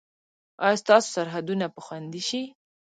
ایا ستاسو سرحدونه به خوندي شي؟